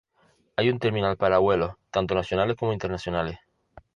Hay un terminal para vuelos tanto nacionales como internacionales..